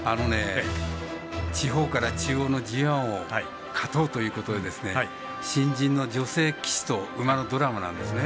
地方から中央のＧＩを勝とうということで新人の女性騎手と馬のドラマなんですね。